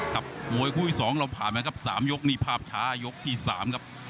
ครับโมยคู่ที่สองเราผ่านมาครับสามยกนี่ภาพช้ายกที่สามครับ